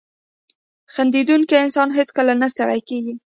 • خندېدونکی انسان هیڅکله نه ستړی کېږي.